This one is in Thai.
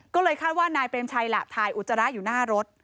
ก็เลยคาดว่านายเปรมชัยล่ะถ่ายอุจจาระอยู่หน้ารถ